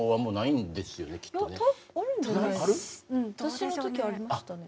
私の時ありましたね。